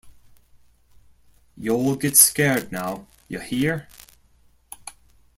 Y'All Get Scared Now, Ya Hear!